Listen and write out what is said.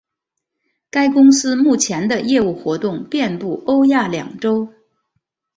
该公司目前的业务活动遍布欧亚两洲。